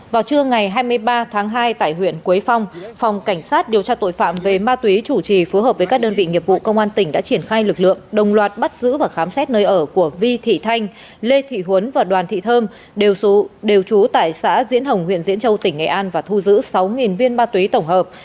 vào trưa ngày hai mươi ba tháng hai tại huyện quế phong phòng cảnh sát điều tra tội phạm về ma túy chủ trì phối hợp với các đơn vị nghiệp vụ công an tỉnh đã triển khai lực lượng đồng loạt bắt giữ và khám xét nơi ở của vi thị thanh lê thị huấn và đoàn thị thơm đều trú tại xã diễn hồng huyện diễn châu tỉnh nghệ an và thu giữ sáu viên ma túy tổng hợp